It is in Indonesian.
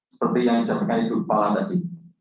seperti yang saya panggil kepala tadi